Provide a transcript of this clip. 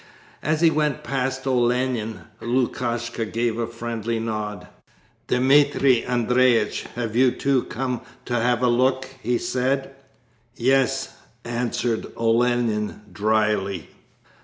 As he went past Olenin, Lukashka gave a friendly nod. 'Dmitri Andreich! Have you too come to have a look?' he said. 'Yes,' answered Olenin dryly.